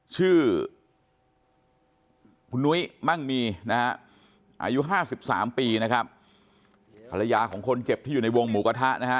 ชื่อคุณนุ้ยมั่งมีนะอายุ๕๓ปีนะครับภรรยาของคนเจ็บที่อยู่ในวงหมู่กระทะนะ